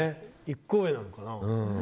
１個上なのかな。